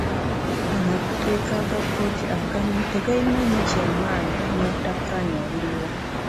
Amateeka ga kkooti agamu tegayina nnyo kyamanyi n'obutakkaanya obuliwo.